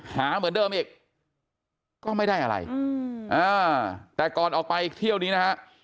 หาเหมือนเดิมอีกก็ไม่ได้อะไรแต่ก่อนออกไปเที่ยวนี้นะฮะ